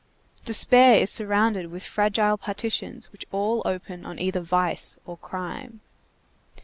Despair is surrounded with fragile partitions which all open on either vice or crime.